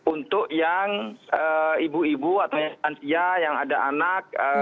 untuk yang ibu ibu atau yang ada anak